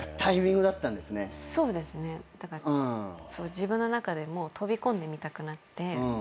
自分の中でも飛び込んでみたくなって。